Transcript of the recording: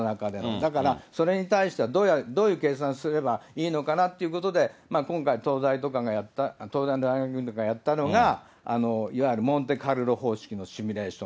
だから、それに対してはどういう計算をすればいいのかなということで、今回、東大とかが、大学とかがやったのがいわゆるモンテカルロ方式のシミュレーション。